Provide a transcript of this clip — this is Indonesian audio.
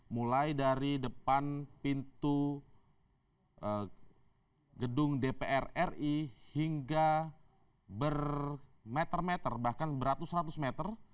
mulai dari depan pintu gedung dpr ri hingga bermeter meter bahkan beratus ratus meter